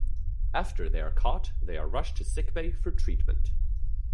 After they are caught, they are rushed to sick bay for treatment.